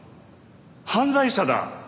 犯罪者だ！